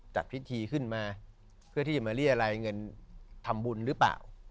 จัดพิธีขึ้นมาเพื่อที่จะมาเรียรายเงินทำบุญหรือเปล่า